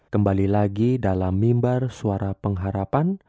kembali lagi dalam mimbar suara pengharapan